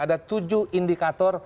ada tujuh indikator